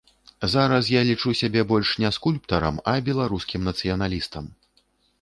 Зараз я лічу сябе больш не скульптарам, а беларускім нацыяналістам.